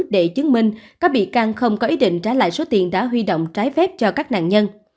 để chứng minh các bị can không có ý định trả lại số tiền đã huy động trái phép cho các nạn nhân